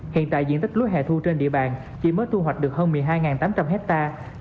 hiện tại diện tích lúa hẻ thu trên địa bàn chỉ mới thu hoạch được hơn một mươi hai tám trăm linh hectare